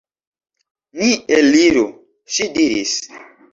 Ni eliru, ŝi diris.